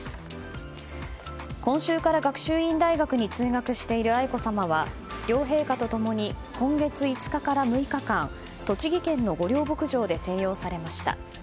今週から学習院大学に通学している愛子さまは両陛下と共に今月５日から６日間栃木県の御料牧場で静養されました。